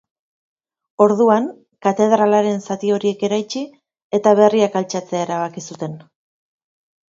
Orduan katedralaren zati horiek eraitsi eta berriak altxatzea erabaki zuten.